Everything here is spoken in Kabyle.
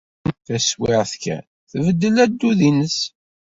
Taswiɛt kan, tbeddel addud-nnes.